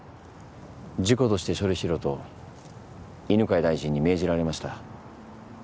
事故として処理しろと犬飼大臣に命じられました。